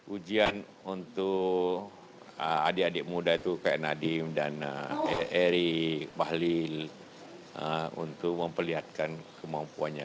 ujian untuk adik adik muda itu kayak nadiem dan erik bahlil untuk memperlihatkan kemampuannya